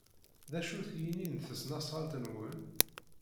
D acu-t yini n tesnasɣalt-nwen?